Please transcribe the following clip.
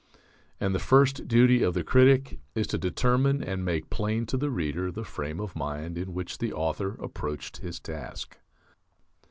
And the first duty of the critic is to determine and make plain to the reader the frame of mind in which the author approached his task.